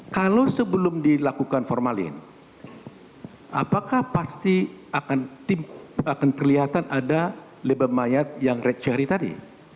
kalau sebelum dilakukan formalin apakah pasti akan kelihatan ada lebam mayat yang red charry tadi